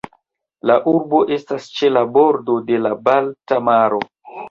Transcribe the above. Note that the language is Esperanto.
La urbo estas ĉe bordo de la Balta maro.